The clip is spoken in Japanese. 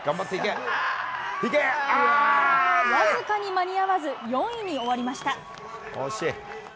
僅かに間に合わず、４位に終わりました。